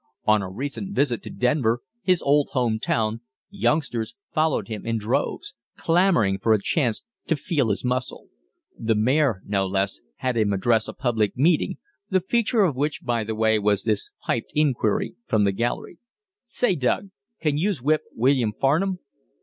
On a recent visit to Denver, his old home town, youngsters followed him in droves, clamoring for a chance to "feel his muscle." The mayor, no less, had him address a public meeting, the feature of which, by the way, was this piped inquiry from the gallery: "Say, Doug, can youse whip William Farnum?"